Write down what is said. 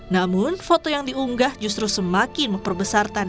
namun foto yang diunggah justru semakin memperbesar tanda tanya